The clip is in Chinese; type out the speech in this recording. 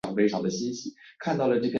记一出局。